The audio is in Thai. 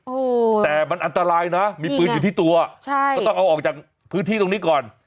โอ้โหแต่มันอันตรายนะมีปืนอยู่ที่ตัวใช่ก็ต้องเอาออกจากพื้นที่ตรงนี้ก่อน